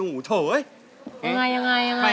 โทษให้โทษให้โทษให้